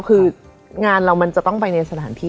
คืองานเรามันจะต้องไปในสถานที่